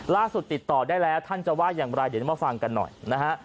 ติดต่อได้แล้วท่านจะว่าอย่างไรเดี๋ยวได้มาฟังกันหน่อยนะฮะ